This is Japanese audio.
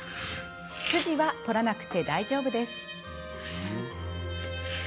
筋は取らなくて大丈夫です。